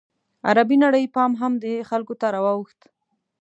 عربي نړۍ پام هم دې خلکو ته راواوښت.